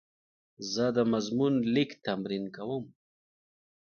زه د مضمون لیک تمرین کوم.